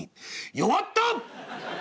「弱った！